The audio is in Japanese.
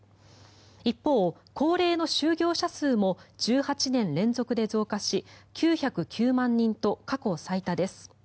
一方、高齢の就業者数も１８年連続で増加し９０９万人と過去最多です。